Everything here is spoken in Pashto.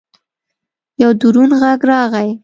یو دروند غږ راغی!